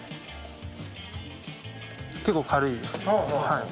結構軽いですね。